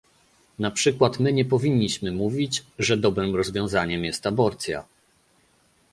Na przykład my nie powinniśmy mówić, że dobrym rozwiązaniem jest aborcja